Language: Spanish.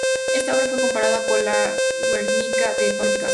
Esta obra fue comparada con el "Guernica", de Pablo Picasso.